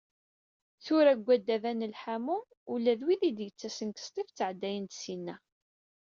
Tura, deg waddad-a n lḥamu, ula d wid i d-yettasen seg Ṣtif ttεeddayen-d syin-a.